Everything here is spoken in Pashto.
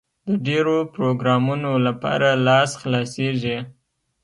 د ډېرو پروګرامونو لپاره لاس خلاصېږي.